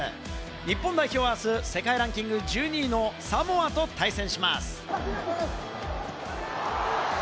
日本代表はあす、世界ランキング１２位のサモアと対戦します。